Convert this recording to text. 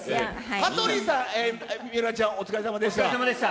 羽鳥さん、水卜ちゃん、お疲れさまでした。